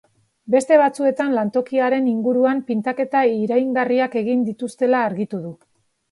Beste batzuetan lantokiaren inguruan pintaketa iraingarriak egin dituztela argitu du.